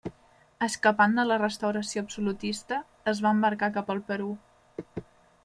Escapant de la restauració absolutista, es va embarcar cap al Perú.